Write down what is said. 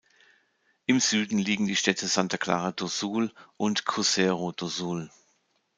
Im Süden liegen die Städte Santa Clara do Sul und Cruzeiro do Sul.